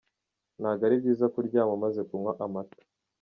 Ntago ari byiza kuryama umaze kunywa amata.